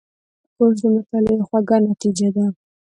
کورس د مطالعې خوږه نتیجه ده.